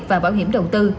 và bảo hiểm đầu tư